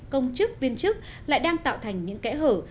công chức viên chức lại đang tạo thành những kẽ hở